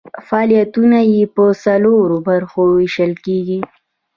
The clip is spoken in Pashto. فعالیتونه یې په څلورو برخو ویشل کیږي.